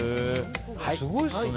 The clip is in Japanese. すごいですね。